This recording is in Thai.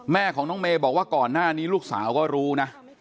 แม่ของน้องเมย์บอกว่าก่อนหน้านี้ลูกสาวก็รู้นะ